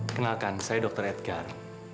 kenalkan saya dr edgar